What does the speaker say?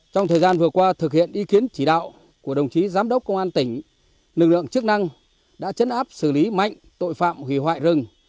trong thời gian vừa qua thực hiện ý kiến chỉ đạo của đồng chí giám đốc công an tỉnh lực lượng chức năng đã chấn áp xử lý mạnh tội phạm hủy hoại rừng